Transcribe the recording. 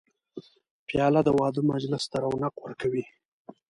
پیاله د واده مجلس ته رونق ورکوي.